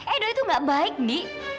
edo itu nggak baik ndi